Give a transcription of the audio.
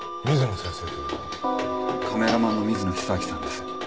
カメラマンの水野久明さんです。